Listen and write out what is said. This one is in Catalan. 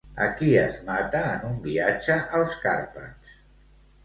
A qui es mata en un viatge als Carpats?